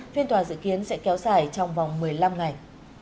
phiên tòa dự kiến sẽ kéo dài trong vòng một mươi năm ngày